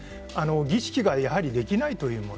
儀式ができないというもの